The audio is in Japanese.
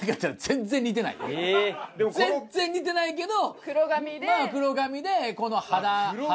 全然似てないけど。